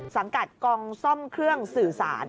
สังกัดกองซ่อมเครื่องสื่อสาร